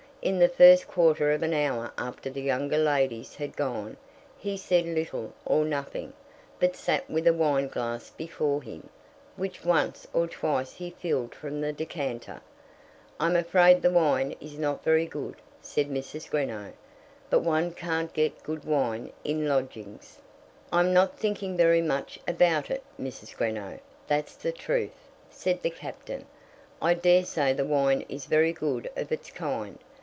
In the first quarter of an hour after the younger ladies had gone, he said little or nothing, but sat with a wine glass before him, which once or twice he filled from the decanter. "I'm afraid the wine is not very good," said Mrs. Greenow. "But one can't get good wine in lodgings." "I'm not thinking very much about it, Mrs. Greenow; that's the truth," said the Captain. "I daresay the wine is very good of its kind."